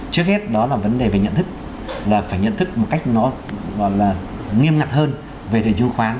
trước hết đó là vấn đề về nhận thức là phải nhận thức một cách nó gọi là nghiêm ngặt hơn về thể dung khoáng